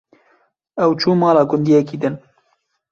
ew çû mala gundiyekî din.